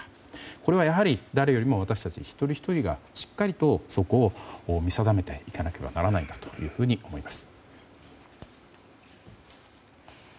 これはやはり誰よりも私たち一人ひとりがしっかりとそこを見定めていかなければならないと思います。